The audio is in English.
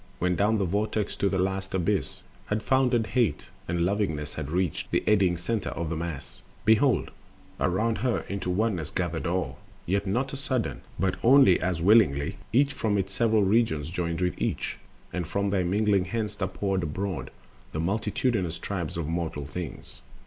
When down the Vortex to the last abyss Had foundered Hate, and Lovingness had reached The eddying center of the Mass, behold Around her into Oneness gathered all. Yet not a sudden, but only as willingly Each from its several region joined with each; And from their mingling thence are poured abroad The multitudinous tribes of mortal things.